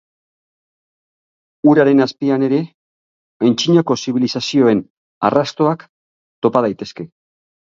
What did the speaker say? Uraren azpian ere antzinako zibilizazioen arrastoak topa daitezke.